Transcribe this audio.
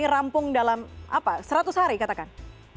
rampung dalam apa seratus hari katakan